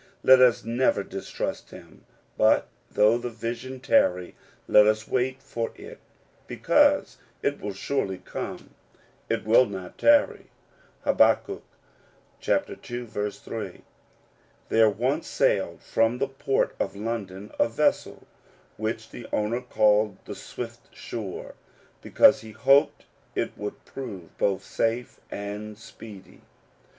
Let us never distrust him, but though the vision tarry, let us wait for it ; because it will surely come, it will not tarry (Hab. ii. 3). There once sailed from the port of London a vessel, which the owner called the Swift sure^ because he hoped it would prove both safe and speedy.